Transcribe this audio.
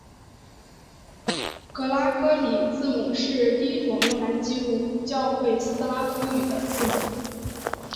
格拉哥里字母是第一种用来记录古教会斯拉夫语的字母。